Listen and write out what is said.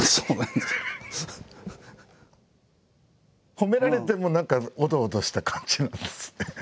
褒められても何かオドオドした感じなんですね。